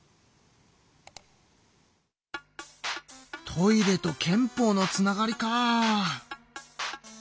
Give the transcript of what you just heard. トイレと憲法のつながりか。